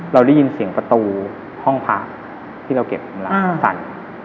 เราได้ยินเสียงประตูห้องพระที่เราเก็บแล้วสั่น